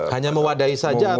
hanya mewadahi saja